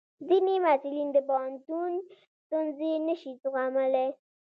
ځینې محصلین د پوهنتون ستونزې نشي زغملی.